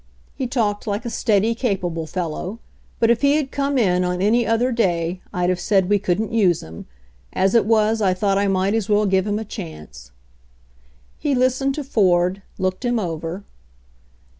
He talked like a steady, capable fellow, but if he had come in on any other day I'd have said we couldn't use him. As it was, I thought I might as well give him a chance." < He listened to Ford — looked him over.